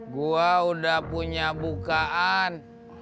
gua udah punya bukaan